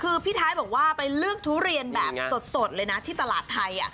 คือพี่ท้ายบอกว่าไปเลือกทุเรียนแบบสดเลยนะที่ตลาดไทย